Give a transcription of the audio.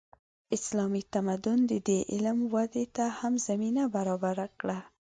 اسلامي تمدن د دې علم ودې ته هم زمینه برابره کړه.